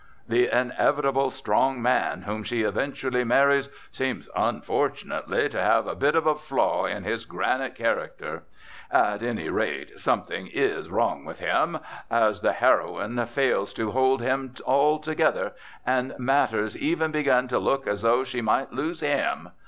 "The inevitable strong man whom she eventually marries seems unfortunately to have a bit of a flaw in his granite character; at any rate, something is wrong with him, as the heroine fails to hold him altogether, and matters even begin to look as though she might lose him.